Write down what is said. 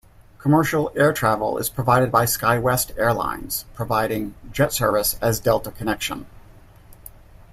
Commercial air travel is provided by SkyWest Airlines, providing jet service as Delta Connection.